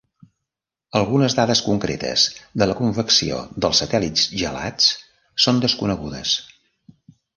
Algunes dades concretes de la convecció dels satèl·lits gelats són desconegudes.